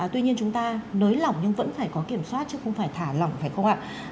tuy nhiên chúng ta nới lỏng nhưng vẫn phải có kiểm soát chứ không phải thả lỏng phải không ạ